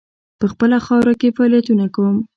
په خپله خاوره کې فعالیتونه کوم.